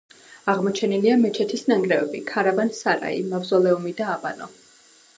აღმოჩენილია მეჩეთის ნანგრევები, ქარავან-სარაი, მავზოლეუმი და აბანო.